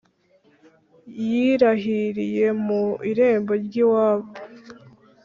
Yirahiriye mu irembo ryiwabo